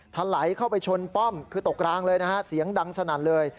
ถลายเข้าไปชนป้อมคือตกรางเลยนะฮะเสียงดังสนั่นเลย